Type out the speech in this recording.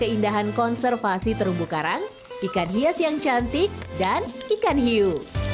ikan hias yang cantik dan ikan hiu